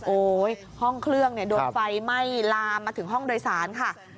ห้องเครื่องโดนไฟไหม้ลามมาถึงห้องโดยสารค่ะ